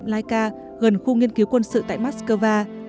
tưởng niệm laika gần khu nghiên cứu quân sự tại moskova